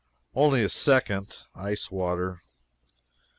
Only a second ice water.